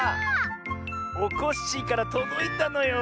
おこっしぃからとどいたのよ。